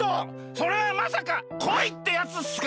それはまさか恋ってやつっすか！？